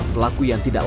pelaku yang tidak laku